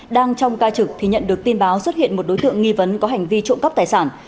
đang trong ca trực thì nhận được tin báo xuất hiện một đối tượng nghi vấn có hành vi trộm cắp tài sản